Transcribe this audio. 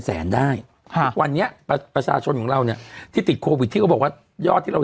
แสนได้ค่ะทุกวันนี้ประชาชนของเราเนี่ยที่ติดโควิดที่เขาบอกว่ายอดที่เรา